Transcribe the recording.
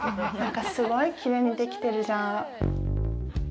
すごいきれいにできてるじゃん。